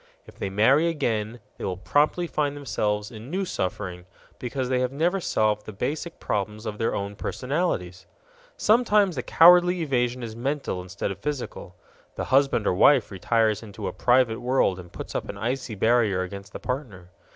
If they marry again, they will promptly find themselves in new suffering because they have never solved the basic problems of their own personalities. Sometimes the cowardly evasion is mental instead of physical. The husband or wife retires into a private world and puts up an icy barrier against the partner.